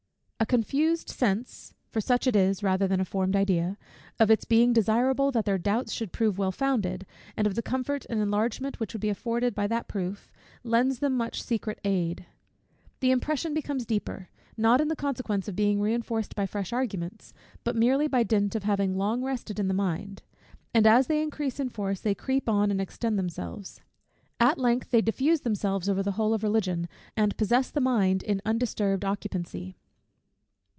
A confused sense (for such it is, rather than a formed idea) of its being desirable that their doubts should prove well founded, and of the comfort and enlargement which would be afforded by that proof, lends them much secret aid. The impression becomes deeper; not in consequence of being reinforced by fresh arguments, but merely by dint of having longer rested in the mind; and as they increase in force, they creep on and extend themselves. At length they diffuse themselves over the whole of Religion, and possess the mind in undisturbed occupancy.